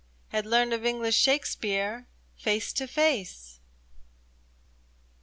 Had learned of English Shakespeare, face to face